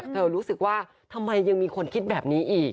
รู้สึกว่าทำไมยังมีคนคิดแบบนี้อีก